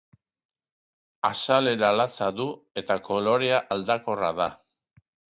Azalera latza du eta kolorea aldakorra da.